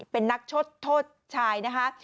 เป็นนักโทษชายนะคะ